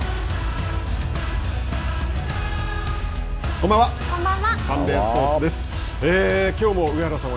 こんばんは。